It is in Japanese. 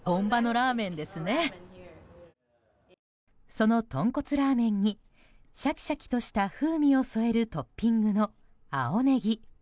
その豚骨ラーメンにシャキシャキとした風味を添えるトッピングの青ネギ。